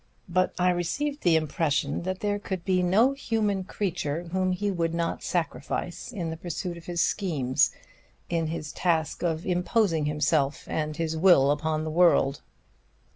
But I received the impression that there could be no human creature whom he would not sacrifice in the pursuit of his schemes, in his task of imposing himself and his will upon the world.